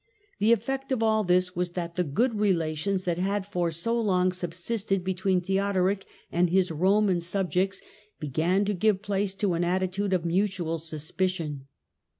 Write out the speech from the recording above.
The effect of all this was that he good relations that had for so long subsisted between 'heodoric and his Roman subjects began to give place 3 an attitude of mutual suspicion.